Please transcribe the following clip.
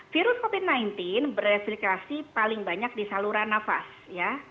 virus covid sembilan belas bereplikasi paling banyak di saluran nafas ya